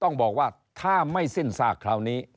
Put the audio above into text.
ต้องบอกว่าถ้าไม่สิ้นซากคราวนี้